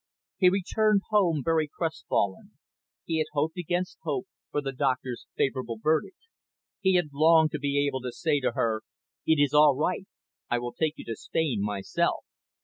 He returned home very crestfallen. He had hoped against hope for the doctor's favourable verdict. He had longed to be able to say to her: "It is all right, I will take you to Spain myself."